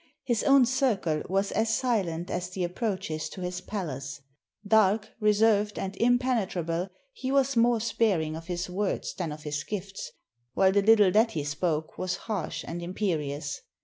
His own circle was as silent as the approaches to his palace: dark, reserved, and impenetrable, he was more sparing of his words than of his gifts; while the little that he spoke was harsh and imperious.